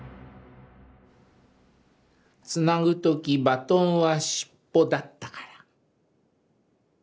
「つなぐときバトンはしっぽだったから」。